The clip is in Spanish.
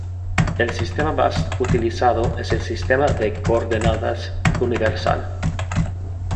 El sistema más utilizado es el Sistema de Coordenadas Universal.